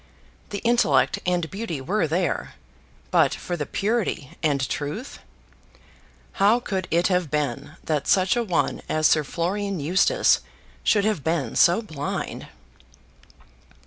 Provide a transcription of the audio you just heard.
The intellect and beauty were there; but, for the purity and truth ; how could it have been that such a one as Sir Florian Eustace should have been so blind!